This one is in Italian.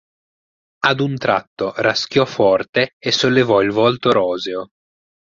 Ad un tratto raschiò forte, e sollevò il volto roseo.